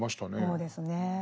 そうですね。